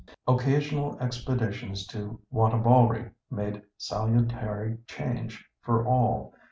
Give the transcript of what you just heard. Occasional expeditions to Wantabalree made salutary change for all.